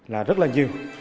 là rất là nhiều